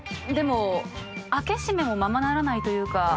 でも開け閉めもままならないというか。